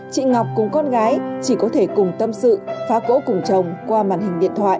chị ngọc cùng con gái chỉ có thể cùng tâm sự phá cỗ cùng chồng qua màn hình điện thoại